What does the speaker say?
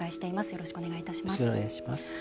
よろしくお願いします。